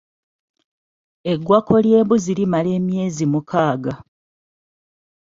Eggwako ly’embuzi limala emyezi mukaaga.